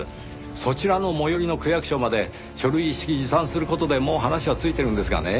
そちらの最寄りの区役所まで書類一式持参する事でもう話はついてるんですがね